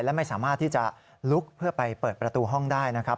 และไม่สามารถที่จะลุกเพื่อไปเปิดประตูห้องได้นะครับ